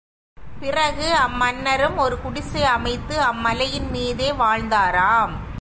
பிறகு அம் மன்னரும் ஒரு குடிசை அமைத்து அம் மலையின்மீதே வாழ்ந்தாராம்.